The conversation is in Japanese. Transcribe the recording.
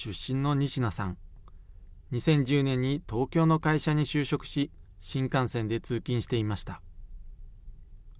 ２０１０年に東京の会社に就職し、新幹線で通勤していました。